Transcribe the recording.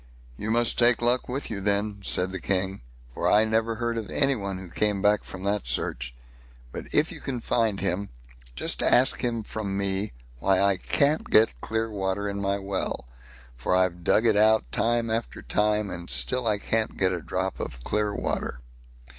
"You must take luck with you, then", said the King, "for I never heard of any one who came back from that search. But if you find him, just ask him from me why I can't get clear water in my well; for I've dug it out time after time, and still I can't get a drop of clear water."